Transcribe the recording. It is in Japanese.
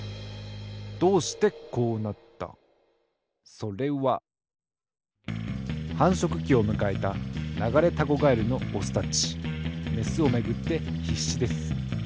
それははんしょくきをむかえたナガレタゴガエルのオスたちメスをめぐってひっしです。